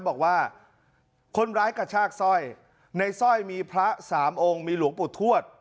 บอกว่าคนร้ายกระชากสร้อยในสร้อยมีพระสามองค์มีหลวงปู่ทวด